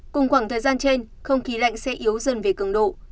cùng khoảng thời gian trên không khí lạnh sẽ yếu dần về cường độ